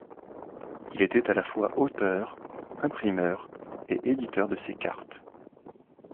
Il était à la fois auteur, imprimeur et éditeur de ses cartes.